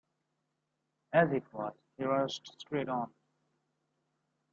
As it was, he rushed straight on.